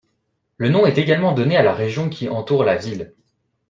Le nom est également donné à la région qui entoure la ville.